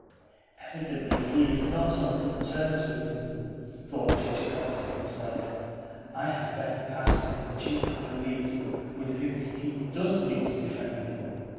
"Evidently he is not on good terms with them," thought Chichikov to himself. "I had better pass to the Chief of Police, which whom he DOES seem to be friendly."